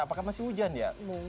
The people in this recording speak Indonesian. apakah masih hujan ya